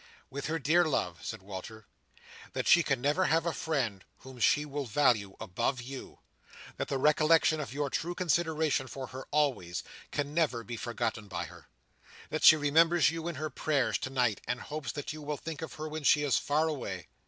"—With her dear love," said Walter, "that she can never have a friend whom she will value above you. That the recollection of your true consideration for her always, can never be forgotten by her. That she remembers you in her prayers tonight, and hopes that you will think of her when she is far away.